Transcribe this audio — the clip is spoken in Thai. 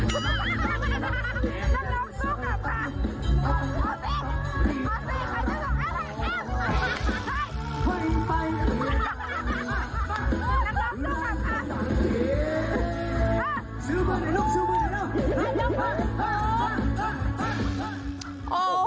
สบัดข่าวเด็ก